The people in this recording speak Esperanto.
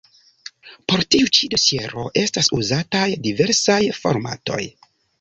Por tiu ĉi dosiero estas uzataj diversaj formatoj.